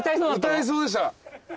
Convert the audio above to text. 歌いそうでした。